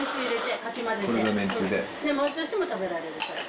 もりとしても食べられるから。